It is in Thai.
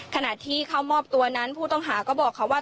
ขณะที่เข้ามอบตัวนั้นผู้ต้องหาก็บอกค่ะว่า